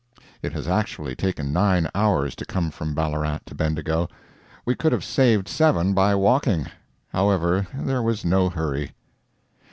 It has actually taken nine hours to come from Ballarat to Bendigo. We could have saved seven by walking. However, there was no hurry.